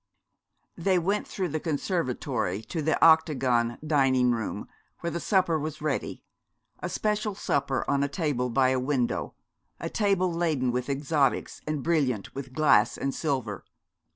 They went through the conservatory to the octagon dining room, where the supper was ready, a special supper, on a table by a window, a table laden with exotics and brilliant with glass and silver.